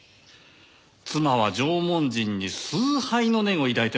妻は縄文人に崇拝の念を抱いていましてね。